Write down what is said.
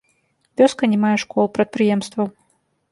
Вёска не мае школ, прадпрыемстваў.